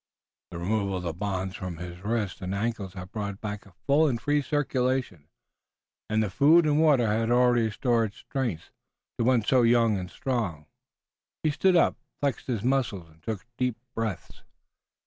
The removal of the bonds from his wrist and ankles had brought back a full and free circulation, and the food and water had already restored strength to one so young and strong. He stood up, flexed his muscles and took deep breaths.